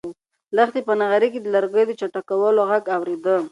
لښتې په نغري کې د لرګیو د چټکولو غږ اورېده.